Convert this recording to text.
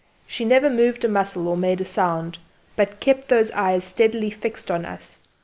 She never moved a muscle or made a sound, but kept those eyes steadily fixed on us.